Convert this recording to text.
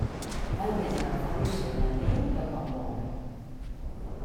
Val més agafar l'ocell al niu que quan vola.